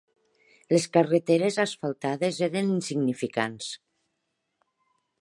Les carreteres asfaltades eren insignificants.